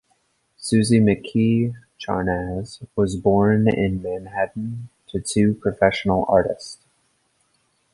Suzy McKee Charnas was born in Manhattan to two professional artists.